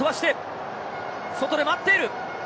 外で待っている。